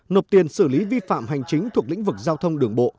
nộp tiền xử lý vi phạm hành chính thuộc lĩnh vực giao thông đường bộ